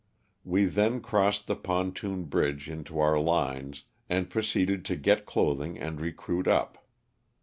We then crossed the pontoon bridge into our lines and proceeded to get clothing and recruit up.